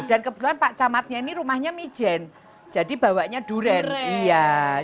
dan kebetulan pak camatnya ini rumahnya mijen jadi bawanya durian